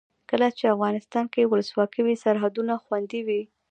کله چې افغانستان کې ولسواکي وي سرحدونه خوندي وي.